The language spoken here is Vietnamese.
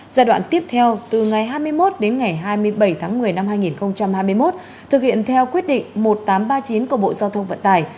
giai đoạn tiếp theo từ ngày hai mươi một đến ngày hai mươi bảy tháng một mươi năm hai nghìn hai mươi một thực hiện theo quyết định một nghìn tám trăm ba mươi chín của bộ giao thông vận tải